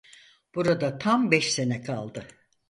Burada tam beş sene kaldı.